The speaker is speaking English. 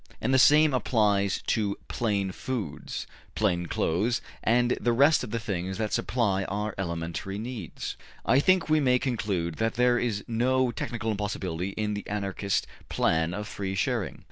And the same applies to plain foods, plain clothes, and the rest of the things that supply our elementary needs. I think we may conclude that there is no technical impossibility in the Anarchist plan of free sharing.